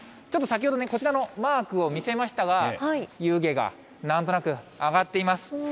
ちょっと先ほどね、こちらのマークを見せましたが、湯気がなんとなく上がっています。